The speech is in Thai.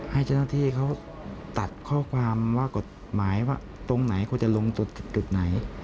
ให้เจ้าหน้าที่เขาตัดข้อความว่ากฎหมายว่าตรงไหนควรจะลงจุดไหน